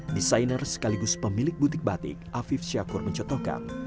desainer sekaligus pemilik butik batik afif syakur mencotokkan